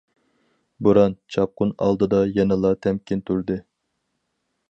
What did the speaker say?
بوران- چاپقۇن ئالدىدا يەنىلا تەمكىن تۇردى.